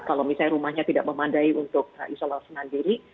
kalau misalnya rumahnya tidak memandai untuk isolasi mandiri